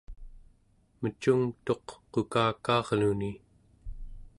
mecungtuq qukakaarluni